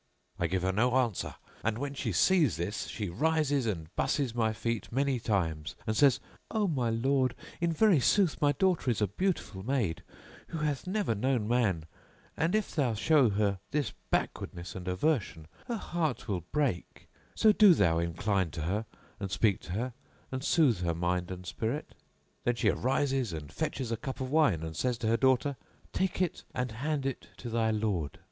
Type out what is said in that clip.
I give her no answer; and when she sees this she rises and busses my feet many times and says, 'O my lord, in very sooth my daughter is a beautiful maid, who hath never known man; and if thou show her this backwardness and aversion, her heart will break; so do thou incline to her and speak to her and soothe her mind and spirit.' Then she rises and fetches a cup of wine; and says to her daughter, 'Take it and hand it to thy lord.'